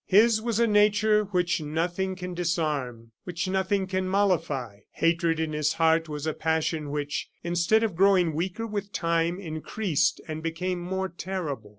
His was a nature which nothing can disarm, which nothing can mollify; hatred in his heart was a passion which, instead of growing weaker with time, increased and became more terrible.